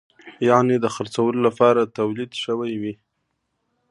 یعنې د خرڅولو لپاره تولید شوی وي.